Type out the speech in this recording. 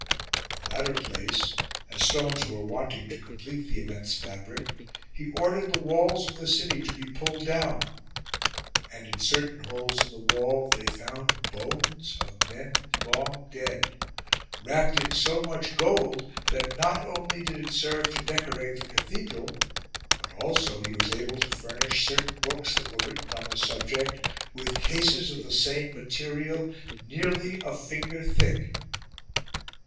In the latter place, as stones were wanting to complete the immense fabric, he ordered the walls of the city to be pulled down ; and in certain holes in the wall they found bones of men long dead, wrapped in «o much gold, that not only did it serve to decorate the cathedral, but also he was able to furnish certain books that were written on the subject with cases of the same material nearly a finger thick.